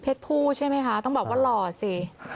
ผู้ใช่ไหมคะต้องบอกว่าหล่อสิ